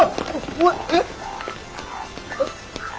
おいえっ？え。